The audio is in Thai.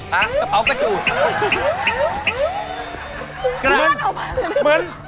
กระเป๋ากระจูด